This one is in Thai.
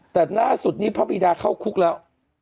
แต่ล่าสุดนี้พระบิดาเข้าคุกแล้ว